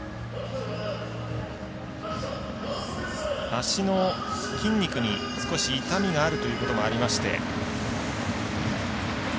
足の筋肉に少し痛みがあるということもありまして。